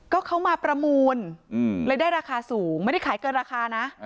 ก็เขามาประมูลเลยได้ราคาสูงไม่ได้ขายเกินราคานะ